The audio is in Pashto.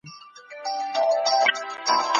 څنګه استازی پر نورو هیوادونو اغیز کوي؟